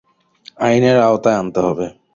আইনের আওতায় আনতে হবে।